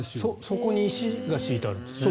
底に石が敷いてあるんですよね。